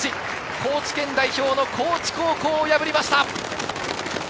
高知県代表の高知高校を破りました。